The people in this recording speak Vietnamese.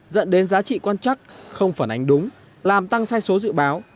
dẫn đến giá trị quan chắc không phản ánh đúng làm tăng sai số dự báo